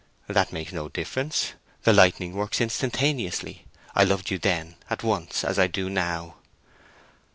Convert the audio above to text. "That makes no difference. The lightning works instantaneously. I loved you then, at once—as I do now."